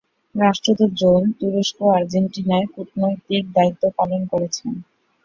রাষ্ট্রদূত জৈন তুরস্ক ও আর্জেন্টিনায় কূটনৈতিক দায়িত্ব পালন করেছেন।